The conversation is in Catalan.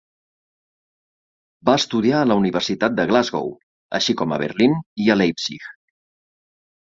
Va estudiar a la Universitat de Glasgow, així com a Berlín i a Leipzig.